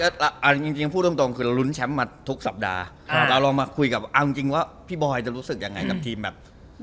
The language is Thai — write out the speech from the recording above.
เอาจริงพูดตรงคือลุ้นแชมป์มาทุกสัปดาห์เราลองมาคุยกับเอาจริงว่าพี่บอยจะรู้สึกยังไงกับทีมแบบ